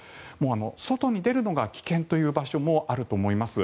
外に出るのが危険という場所もあると思います。